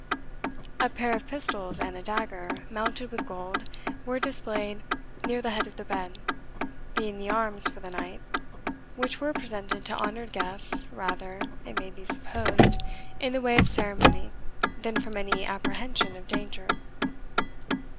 A pair of pistols and a dagger, mounted with gold, were displayed near the head of the bed, being the arms for the night, which were presented to honoured guests, rather, it may be supposed, in the way of ceremony than from any apprehension of danger.